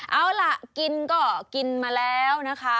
เอาล่ะกินก็กินมาแล้วนะคะ